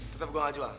tetep gua gak jual